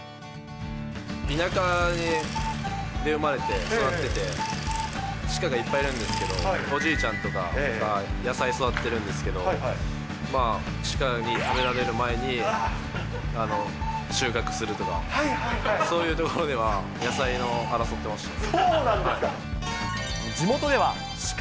田舎で生まれて育ってて、シカがいっぱいいるんですけど、おじいちゃんとかが野菜育ててるんですけど、シカに食べられる前に、収穫するとか、そういうところでは野菜を争ってました。